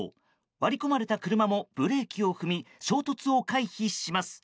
割り込まれた車もブレーキを踏み衝突を回避します。